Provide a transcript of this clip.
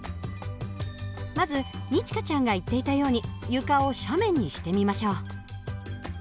まず二千翔ちゃんが言っていたように床を斜面にしてみましょう。